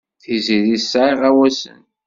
Tiziri tesɛa iɣawasen.